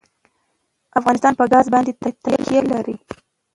افغانستان په ګاز باندې تکیه لري.